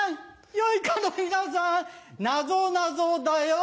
良い子の皆さんなぞなぞだよ。